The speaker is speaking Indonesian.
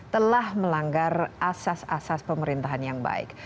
telah melanggar asas asas pemerintahan yang baik